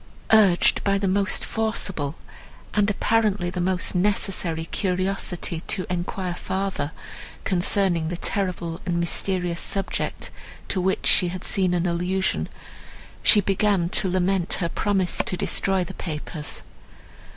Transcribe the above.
Urged by the most forcible, and apparently the most necessary, curiosity to enquire farther, concerning the terrible and mysterious subject, to which she had seen an allusion, she began to lament her promise to destroy the papers.